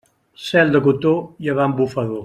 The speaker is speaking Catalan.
Cel de cotó, llevant bufador.